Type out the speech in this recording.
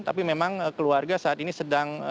tapi memang keluarga saat ini sedang